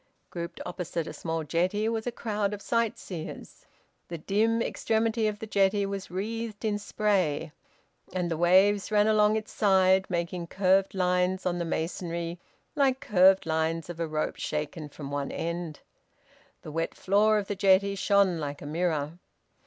Grouped opposite a small jetty was a crowd of sightseers. The dim extremity of the jetty was wreathed in spray, and the waves ran along its side, making curved lines on the masonry like curved lines of a rope shaken from one end. The wet floor of the jetty shone like a mirror.